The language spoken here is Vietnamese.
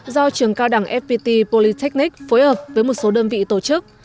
do trường cao đẳng fpt polytechnic phối hợp với một số đơn vị tổ chức